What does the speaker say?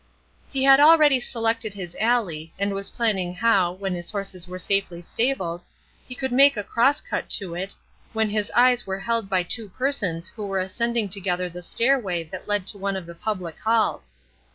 He had already selected his alley, and was planning how, when his horses were safely stabled, he could make a cross cut to it, when his eyes were held by two persons who were ascending together the stairway that led to one of the public halls.